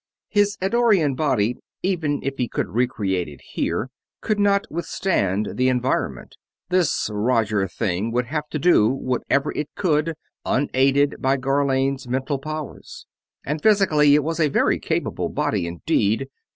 His Eddorian body, even if he could recreate it here, could not withstand the environment this Roger thing would have to do whatever it could, unaided by Gharlane's mental powers. And, physically, it was a very capable body indeed.